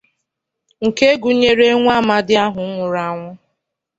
nke gụnyere nwa amadi ahụ nwụrụ anwụ